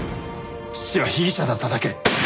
父は被疑者だっただけ。